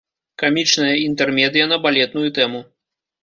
Камічная інтэрмедыя на балетную тэму.